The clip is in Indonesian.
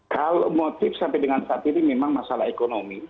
kalau motif sampai dengan saat ini memang masalah ekonomi